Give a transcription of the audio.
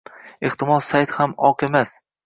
Ehtimol, sayt ham oq emas